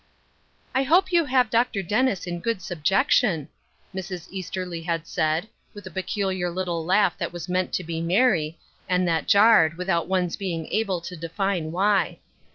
" I hope you have Dr. Dennis in good subjec tion," Mrs. Easterly had said, with a peculiar lit tle laugh that was meant to be merry, and that jarred, without one's being able to define why.